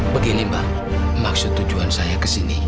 begini mbak maksud tujuan saya kesini